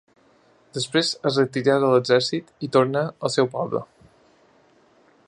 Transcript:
Després es retirà de l'Exèrcit i tornà al seu poble.